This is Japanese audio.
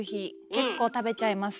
結構食べちゃいます。